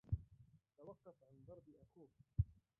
توقف عن ضرب أخوك.